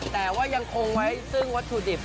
แต่ว่ายังคงไว้ซึ่งวัตถุดิบ